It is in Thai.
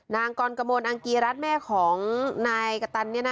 นางกรกระโมนอังกฤษแม่ของนายกะตัน